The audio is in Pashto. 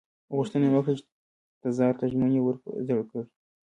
غوښتنه یې وکړه چې تزار ته ژمنې ور په زړه کړي.